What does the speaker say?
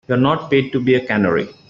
You're not paid to be a canary.